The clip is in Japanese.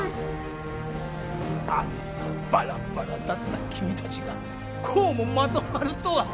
あんなバラバラだった君たちがこうもまとまるとは。